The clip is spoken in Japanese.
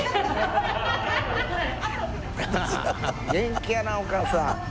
元気やなお母さん。